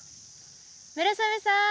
・村雨さん！